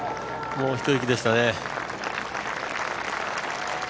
もう一息でしたね。